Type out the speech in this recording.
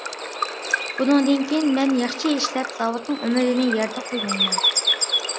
بۇنىڭدىن كېيىن مەن ياخشى ئىشلەپ زاۋۇتنىڭ ئۈمىدىنى يەردە قويمايمەن.